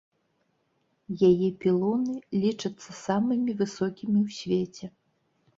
Яе пілоны лічацца самымі высокімі ў свеце.